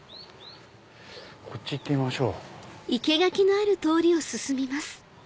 こっち行ってみましょう。